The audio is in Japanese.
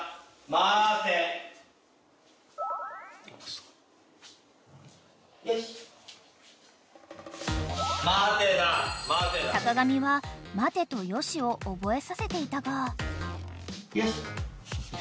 ［しかし］［坂上は「待て！」と「よし」を覚えさせていたが］